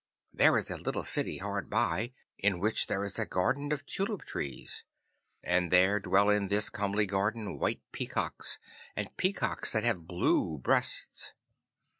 There is a little city hard by in which there is a garden of tulip trees. And there dwell in this comely garden white peacocks and peacocks that have blue breasts.